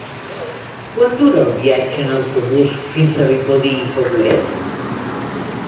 Quant dura el viatge en autobús fins a Vimbodí i Poblet?